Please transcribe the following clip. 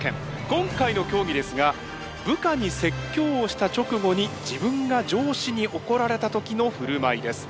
今回の競技ですが部下に説教をした直後に自分が上司に怒られた時の振る舞いです。